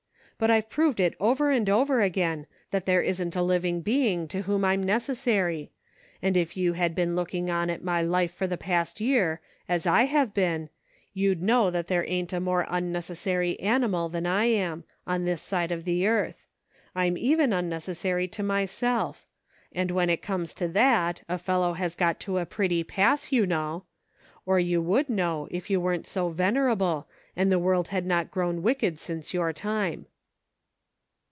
But I've proved it over and over again, that there isn't a living being to whom I'm necessary ; if you had been looking on at my life for the last year, as I have been, you'd know that there ain't a more unnecessary animal than I am, on this side of the earth ; I'm even unnecessary to myself ; and when it comes to that, a fellow has got to a pretty pass, you know ; or you would know if you weren't so venerable, and the world had not grown wicked since your time."